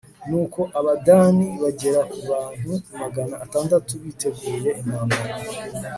nuko abadani bagera ku bantu magana atandatu biteguye intambara